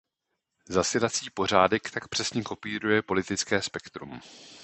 Zasedací pořádek tak přesně kopíruje politické spektrum.